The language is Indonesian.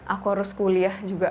aku harus kuliah juga